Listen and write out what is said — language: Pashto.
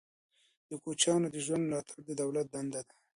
د کوچیانو د ژوند ملاتړ د دولت دنده ده.